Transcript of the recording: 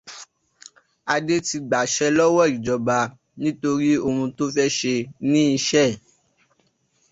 Adé ti gbàṣẹ lọ́wọ́ ìjọba nítorí oun tó fẹ́ ṣe ní iṣẹ́ ẹ̀